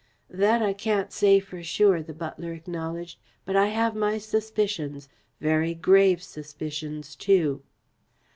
"That I can't say for sure," the butler acknowledged, "but I have my suspicions very grave suspicions too."